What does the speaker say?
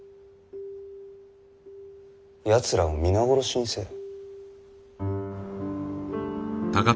やつらを皆殺しにせよ。